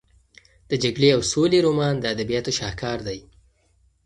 د جګړې او سولې رومان د ادبیاتو شاهکار دی.